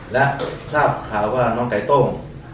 และทราบข่าวว่าน้องไก่ต้ม